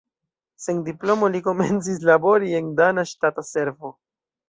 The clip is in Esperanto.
Sen diplomo li komencis labori en dana ŝtata servo.